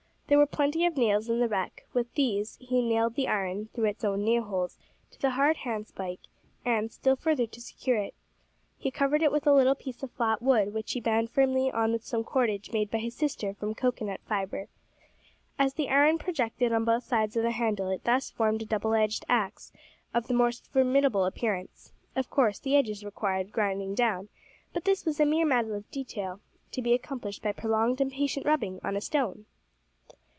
There were plenty of nails in the wreck; with these he nailed the iron, through its own nail holes, to the hard handspike, and, still further to secure it, he covered it with a little piece of flat wood, which he bound firmly on with some cordage made by his sister from cocoa nut fibre. As the iron projected on both sides of the handle, it thus formed a double edged axe of the most formidable appearance. Of course the edges required grinding down, but this was a mere matter of detail, to be accomplished by prolonged and patient rubbing on a stone!